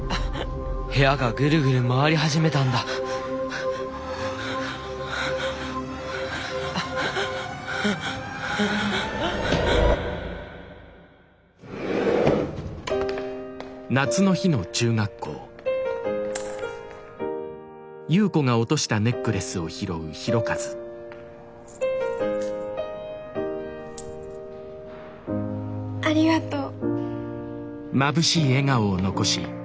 部屋がぐるぐる回り始めたんだありがとう。